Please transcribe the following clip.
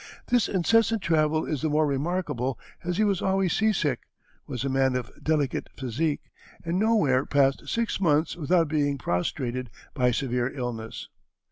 This incessant travel is the more remarkable as he was always sea sick, was a man of delicate physique, and nowhere passed six months without being prostrated by severe illness.